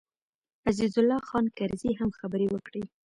عزیز الله خان کرزي هم خبرې وکړې.